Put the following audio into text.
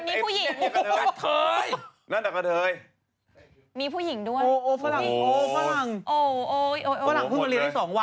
เฝรั่งิ่งมาเรียนให้๒วันไง